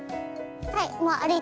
はい。